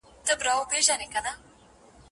نن هغه توره د ورور په وينو سره ده